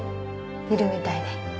いるみたいで。